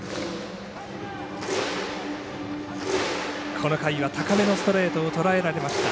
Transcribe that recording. この回は高めのストレートをとらえられました。